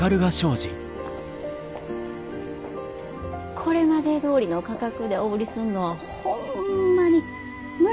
これまでどおりの価格でお売りすんのはホンマに無理なんです。